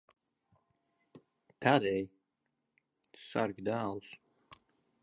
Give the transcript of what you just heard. Tad ej, sargi dēlus.